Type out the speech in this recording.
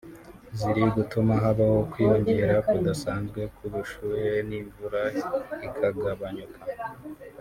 ziri gutuma habaho ukwiyongera kudasanzwe k’ubushyuhe n’imvura ikagabanyuka